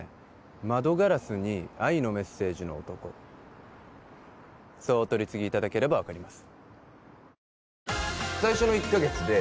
窓ガラスに愛のメッセージの男そうお取り次ぎいただければ分かります